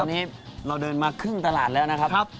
ตอนนี้เราเดินมาครึ่งตลาดแล้วนะครับ